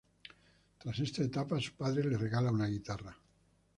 Tras esta etapa, su padre le regala una guitarra.